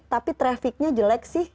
tapi trafficnya jelek sih